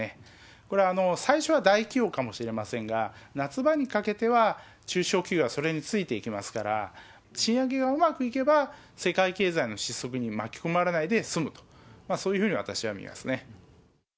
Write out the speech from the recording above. これは最初は大企業かもしれませんが、夏場にかけては中小企業はそれについていきますから、賃上げがうまくいけば、世界経済の失速に巻き込まれないで済むと、そういうふうに私は見ますね。